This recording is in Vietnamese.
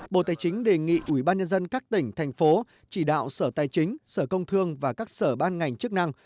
bộ tài chính đề nghị ubnd các tỉnh thành phố chỉ đạo sở tài chính sở công thương và các sở ban ngành chức năng